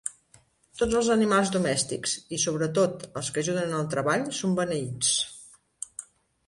Tots els animals domèstics i, sobretot, els que ajuden en el treball són beneïts.